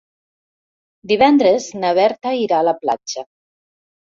Divendres na Berta irà a la platja.